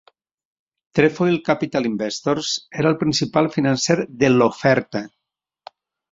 Trefoil Capital Investors era el principal financer de la oferta.